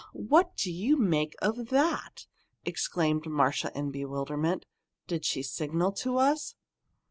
_ what do you make of that!" exclaimed Marcia in bewilderment. "Did she signal to us?"